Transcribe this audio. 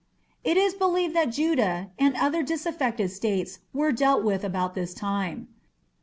It is believed that Judah and other disaffected States were dealt with about this time.